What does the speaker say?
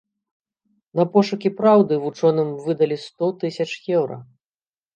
На пошукі праўды вучоным выдалі сто тысяч еўра.